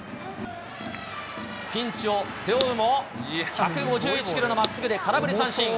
ピンチを背負うも、１５１キロのまっすぐで空振り三振。